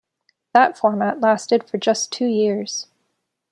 That format lasted for just two years.